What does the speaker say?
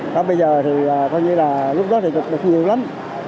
bây giờ thì lúc đó thì chụp được nhiều lắm